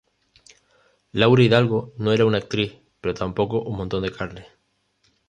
Laura Hidalgo "no era una actriz, pero tampoco un montón de carne.